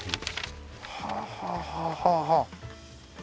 はあはあはあはあ。